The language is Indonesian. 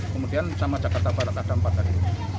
kemudian sama jakarta barat ada empat tadi